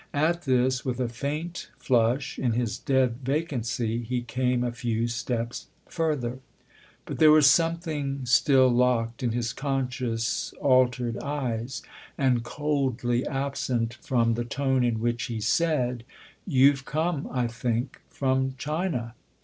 At this, with a faint flush in his dead vacancy, he came a few steps further. But there was something still locked in his conscious, altered eyes, and coldly absent from the tone in which he said :" You've come, I think, from China